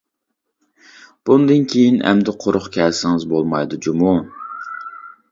بۇندىن كېيىن ئەمدى قۇرۇق كەلسىڭىز بولمايدۇ جۇمۇ.